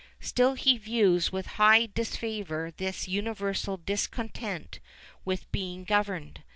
Still he views with high disfavor this universal discontent with "being governed."